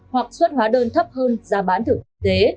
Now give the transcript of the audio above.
hoặc xuất hóa đơn thấp hơn giá bán thực